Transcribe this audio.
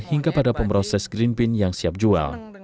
hingga pada pemroses green bean yang siap jual